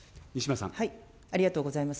ありがとうございます。